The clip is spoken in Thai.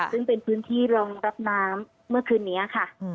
ซึ่งเป็นพื้นที่รองรับน้ำเมื่อคืนนี้ค่ะ